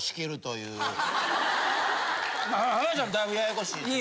まあ浜田さんだいぶややこしいですよね。